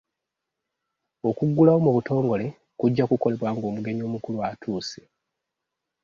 Okuggulawo mu butongole kujja kukolebwa ng'omugenyi omukulu atuuse.